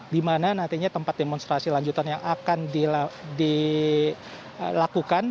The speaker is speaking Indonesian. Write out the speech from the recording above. dimana nantinya tempat demonstrasi lanjutan yang akan dilakukan